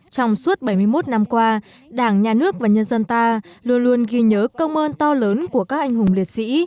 trong suốt bảy mươi một năm qua đảng nhà nước và nhân dân ta luôn luôn ghi nhớ công ơn to lớn của các anh hùng liệt sĩ